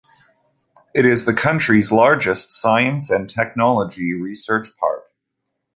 It is the country's largest science and technology research park.